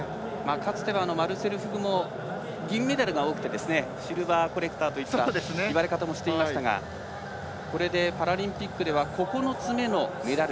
かつてはマルセル・フグも銀メダルが多くてシルバーコレクターという言われ方もしていましたがこれでパラリンピックでは９つ目のメダル。